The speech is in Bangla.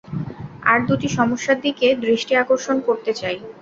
আর দুটি সমস্যার দিকে দৃষ্টি আকর্ষণ করতে চাই।